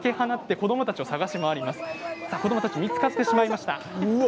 子どもたち見つかってしまいました。